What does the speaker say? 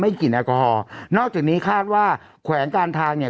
กลิ่นแอลกอฮอลนอกจากนี้คาดว่าแขวงการทางเนี่ย